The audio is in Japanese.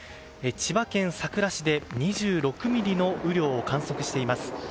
千葉県佐倉市で２６ミリの雨量を観測しています。